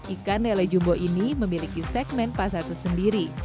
ikan lele jumbo ini memiliki segmen pasar tersendiri